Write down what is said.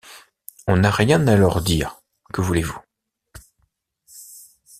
On n’a rien à leur dire, que voulez-vous?